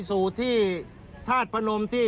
สู่ที่ธาตุพนมที่